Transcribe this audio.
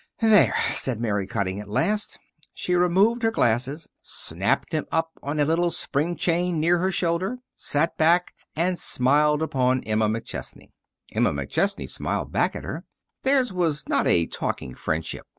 "There!" said Mary Cutting, at last. She removed her glasses, snapped them up on a little spring chain near her shoulder, sat back, and smiled upon Emma McChesney. Emma McChesney smiled back at her. Theirs was not a talking friendship.